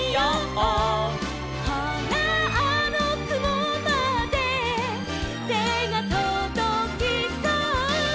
「ほらあのくもまでてがとどきそう」